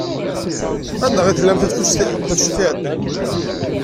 Anda i tellam tafsut iɛeddan?